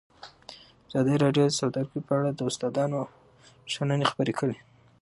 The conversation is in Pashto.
ازادي راډیو د سوداګري په اړه د استادانو شننې خپرې کړي.